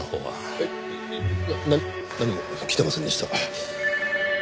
えっ何も来てませんでした。